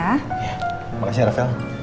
terima kasih ya rafael